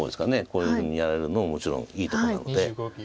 こういうふうにやられるのももちろんいいとこなので。